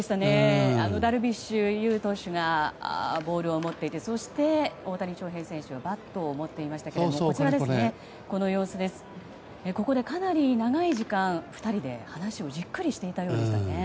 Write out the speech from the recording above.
ダルビッシュ有投手がボールを持っていてそして大谷翔平選手がバットを持っていましたがここでかなり長い時間２人で話をじっくりとしていたようでしたね。